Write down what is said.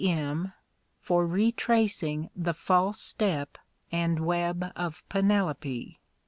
M.) for retracing the false step and web of Penelope.